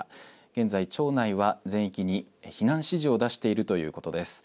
現在、町内は、全域に避難指示を出しているということです。